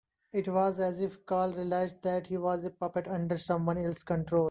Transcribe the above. It was as if Carl realised that he was a puppet under someone else's control.